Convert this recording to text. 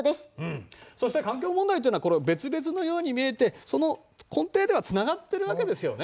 そして環境問題っていうのは別々のように見えてその根底ではつながっているわけですよね。